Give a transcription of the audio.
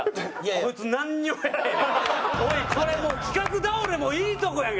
これもう企画倒れもいいとこやんか！